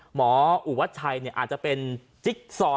หมออุวัชชัยอาจจะเป็นจิ๊กซอ